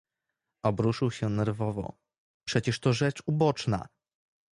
"Obruszył się nerwowo: „Przecież to rzecz uboczna!"